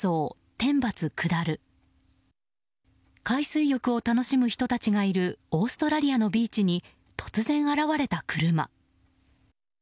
海水浴を楽しむ人たちがいるオーストラリアのビーチに突然、現れた車。